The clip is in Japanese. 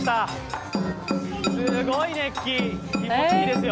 すごい熱気、気持ちいいですよ。